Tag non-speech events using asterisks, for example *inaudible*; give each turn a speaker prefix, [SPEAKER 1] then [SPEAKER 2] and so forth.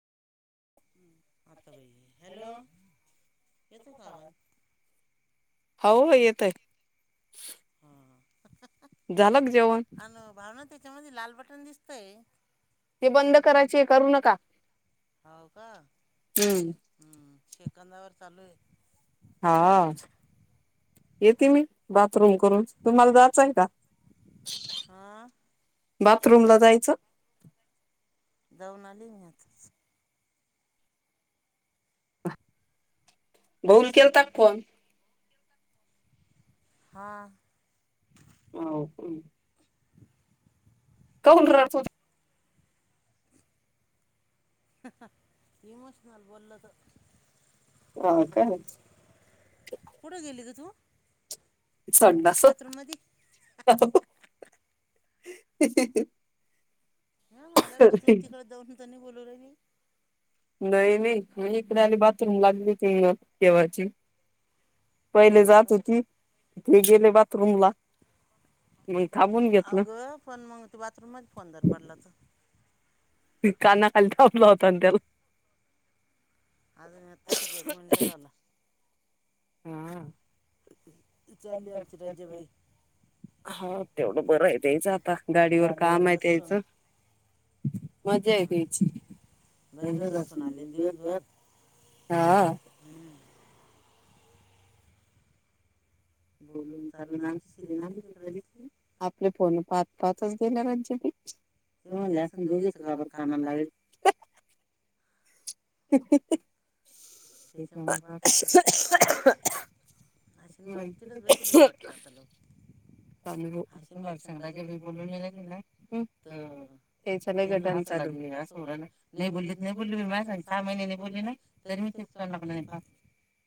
[SPEAKER 1] *unintelligible* Hello, येतोय का आवाज?
[SPEAKER 2] हाव येतय.
[SPEAKER 1] हा हा. अन भावना त्याच्यामध्ये लाल बटन दिसतंय.
[SPEAKER 2] ते बंद करायचे आहे करू नका.
[SPEAKER 1] हो का हम्म, शेकंदावर चालूय.
[SPEAKER 2] हा. येते मी बाथरूम, करून तुम्हाला जाचंय का?
[SPEAKER 1] हा?
[SPEAKER 2] बाथरूम ला जायचं?
[SPEAKER 1] जाऊन आले मी आताच.
[SPEAKER 2] भऊला केलता का फोन?
[SPEAKER 1] हा.
[SPEAKER 2] *unintelligible* कौन रा
[SPEAKER 1] इमोशनल बोललत.
[SPEAKER 2] ह काय.
[SPEAKER 1] कुठे गेली ग तू?
[SPEAKER 2] *unintelligible*
[SPEAKER 1] ह म्हणलं त चू तिकडे जाऊन, तनी बोलवू आहे मी.
[SPEAKER 2] नई नई मी इकडे आली, बाथरूम लागली होती केव्हाची. पहिले जात होती, हे गेले गेले बाथरूम ला मग थांबून घेतलं.
[SPEAKER 1] फोन मग त बाथरूम म फोन जर पडला तर.
[SPEAKER 2] काना खलत आपला होतते
[SPEAKER 1] आज आणि आता *unintelligible* घोंड झाला.
[SPEAKER 2] हम्
[SPEAKER 1] चालली आमची राज्यबा
[SPEAKER 2] हा तेवढं बरं आहे तेयचं आता गाडीवर काम आहे त्यायचं मजा य बयची हां
[SPEAKER 1] हम्म
[SPEAKER 2] आपले फोन पाच पाचच देणारजी हो लॅसन देऊज क बाबर कामा लागेल
[SPEAKER 1] तेच पा तिथेच बसेल होते आता लोक हाशिन मापी सांग राज जे भी बोलून राहिजे ना तर त्यांला असंलाे अस ोला नाही बोलली नाही बोलली माझ सांग सहा महिने बोलली ना तर मी तेच तोंडाकडे नाही पाह